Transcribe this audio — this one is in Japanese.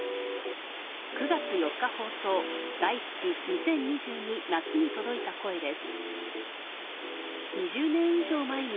９月４日放送『ＤＡＩＳＵＫＩ！２０２２夏』に届いた声です